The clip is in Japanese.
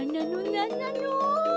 なんなの？